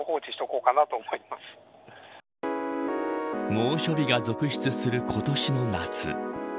猛暑日が続出する今年の夏。